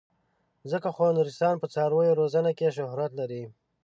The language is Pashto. ځکه خو نورستان په څارویو روزنه کې شهرت لري.